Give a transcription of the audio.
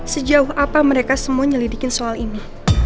sejauh apa mereka semua nyelidikin soal ini